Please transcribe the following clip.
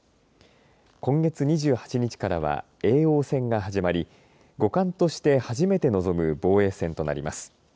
今月２８日からは叡王戦が始まり五冠として初めて臨む防衛戦となります。